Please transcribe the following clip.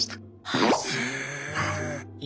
はい。